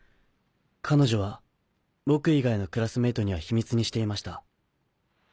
彼女は僕以外のクラスメートには秘密にしていました。